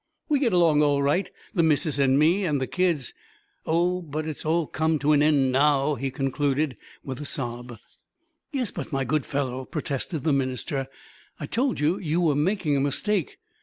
We get along all right, the missus and me and the kids. Oh, but it's all come to an end now," he concluded, with a sob. "Yes, but my good fellow," protested the minister, "I told you you were making a mistake.